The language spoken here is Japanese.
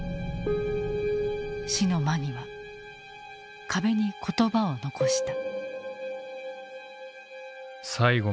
死の間際壁に言葉を残した。